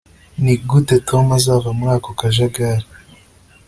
nigute tom azava muri ako kajagari